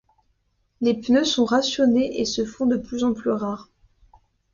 Les pneus sont rationnés et se font de plus en plus rares.